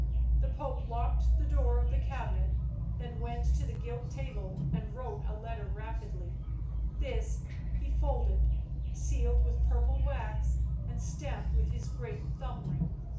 The Pope locked the door of the cabinet, then went to the gilt table, and wrote a letter rapidly — this he folded, sealed with purple wax and stamped with his great thumb ring.